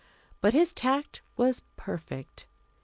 But his tact was perfect.